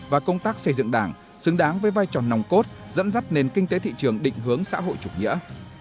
và công tác xây dựng đảng xứng đáng với vai trò nòng cốt dẫn dắt nền kinh tế thị trường định hướng xã hội chủ nghĩa